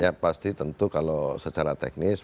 ya pasti tentu kalau secara teknis